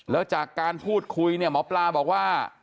แล้วจากการพูดคุยเนี่ยหมอปลาบอกว่า